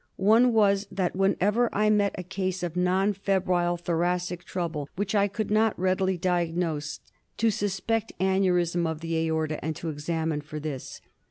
One was, that whenever I met a case of non febrile thoracic trouble which I could not readily diagnose, to suspect aneurism of the aorta and to examine for this.